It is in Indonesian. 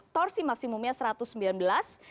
porsi maksimumnya satu ratus sembilan belas